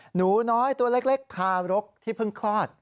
หนูน้อยตัวเล็กทารกที่เพิ่งคลอด